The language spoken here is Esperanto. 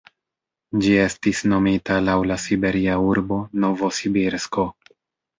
Ĝi estis nomita laŭ la siberia urbo Novosibirsko.